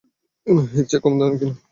এর চেয়ে কমদামি নাই?